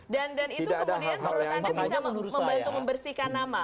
dan itu kemudian menurut anda bisa membantu membersihkan nama